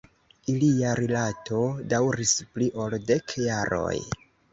Ilia rilato daŭris pli ol dek jaroj.